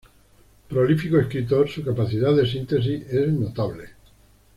Prolífico escritor, su capacidad de síntesis es notable.